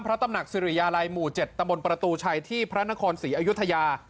ตำหนักสิริยาลัยหมู่๗ตำบลประตูชัยที่พระนครศรีอยุธยา